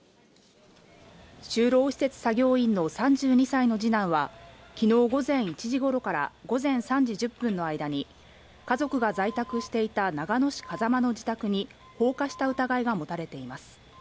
就労施設作業員の３２歳の二男は昨日午前１時頃から午前３時１０分の間に、家族が在宅していた長野市風間の自宅に放火した疑いが持たれています。